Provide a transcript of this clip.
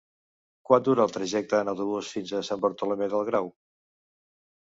Quant dura el trajecte en autobús fins a Sant Bartomeu del Grau?